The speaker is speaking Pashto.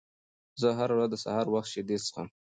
زه هره ورځ د سهار وخت شیدې څښم.